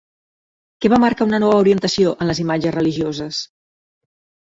Què va marcar una nova orientació en les imatges religioses?